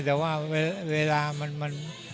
แต่ว่าเวลามันเอ่อ